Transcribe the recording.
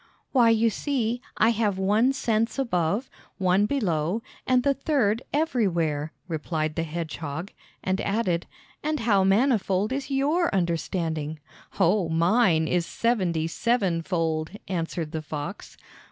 "Why, you see, I have one sense above, one below, and the third everywhere," replied the hedgehog; and added: "And how manifold is your understanding?" "Oh, mine is seventy sevenfold," answered the fox.